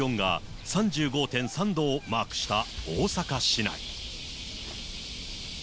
きょうの最高気温が３５．３度をマークした大阪市内。